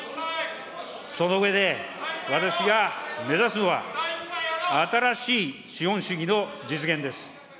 その上で、私が目指すのは、新しい資本主義の実現です。